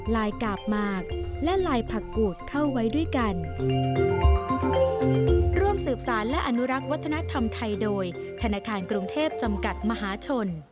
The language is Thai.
ลายกาบมากและลายผักกูธเข้าไว้ด้วยกัน